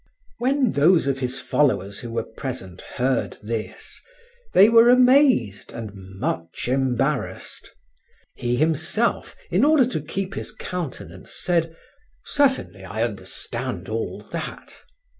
When those of his followers who were present heard this, they were amazed and much embarrassed. He himself, in order to keep his countenance, said: "Certainly, I understand all that."